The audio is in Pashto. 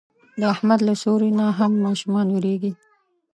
د احمد له سیوري نه هم ماشومان وېرېږي.